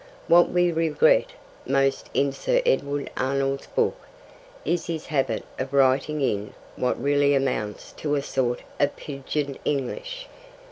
What we regret most in Sir Edwin Arnold's book is his habit of writing in what really amounts to a sort of 'pigeon English.'